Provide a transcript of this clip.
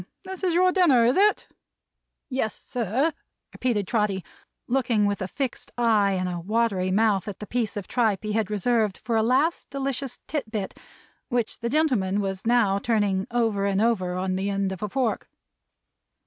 this is your dinner, is it?" "Yes, sir," repeated Trotty, looking with a fixed eye and a watery mouth at the piece of tripe he had reserved for a last delicious tit bit, which the gentleman was now turning over and over on the end of a fork.